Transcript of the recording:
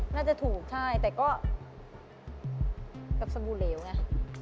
น่าจะถูกใช่แต่ก็กับสบู่เหลวไง